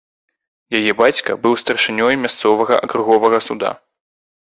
Яе бацька быў старшынёй мясцовага акруговага суда.